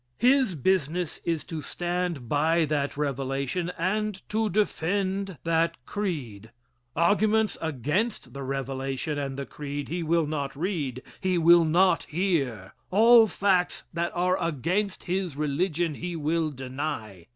His business is to stand by that revelation and to defend that creed. Arguments against the revelation and the creed he will not read, he will not hear. All facts that are against his religion he will deny.